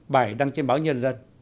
bài đăng trên báo nhân dân